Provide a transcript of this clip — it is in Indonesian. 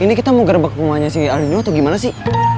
ini kita mau gerbek rumahnya si ardino atau gimana sih